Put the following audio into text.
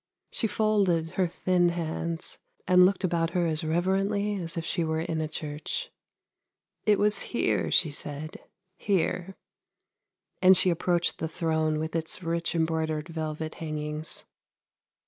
She folded her thin hands and looked about her as reverently as if she were in a church. ' It was here,' she said, ' here,' and she approached the throne with its rich embroidered velvet hangings.